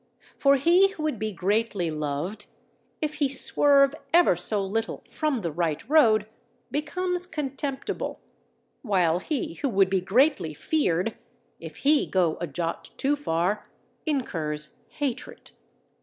For he who would be greatly loved, if he swerve ever so little from the right road, becomes contemptible; while he who would be greatly feared, if he go a jot too far, incurs hatred.